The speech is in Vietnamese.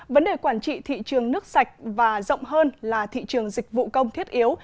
vấn đề quản trị thị trường nước sạch và rộng hơn là thị trường dịch vụ công thiết yếu